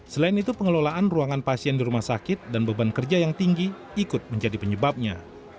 selain itu pengelolaan ruangan pasien di rumah sakit dan beban kerja yang tinggi ikut menjadi penyebabnya